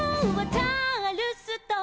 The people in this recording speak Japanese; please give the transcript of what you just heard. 「チャールストン」